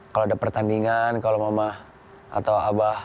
kalau ada pertandingan kalau mama atau abah